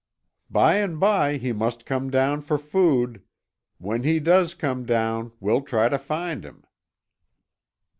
"By and by he must come down for food. When he does come down we'll try to find him."